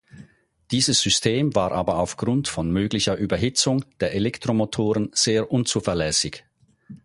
Dieses System war aber auf Grund von möglicher Überhitzung der Elektromotoren sehr unzuverlässig.